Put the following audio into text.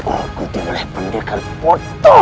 aku dimulai pendekat bodoh